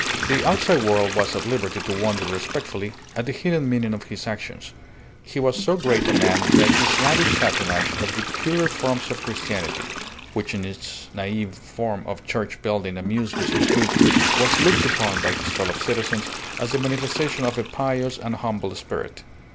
The outside world was at liberty to wonder respectfully at the hidden meaning of his actions. He was so great a man that his lavish patronage of the "purer forms of Christianity" (which in its naive form of church building amused Mrs. Gould) was looked upon by his fellow citizens as the manifestation of a pious and humble spirit.